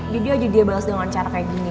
jadi aja dia balas dengan cara kayak gini